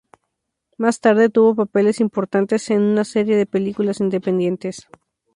Más tarde tuvo papeles importantes en una serie de películas independientes.